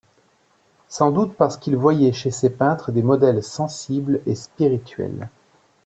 Sans doute parce qu'il voyait chez ces peintres des modèles sensibles et spirituels.